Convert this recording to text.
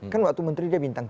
kan waktu menteri dia bintang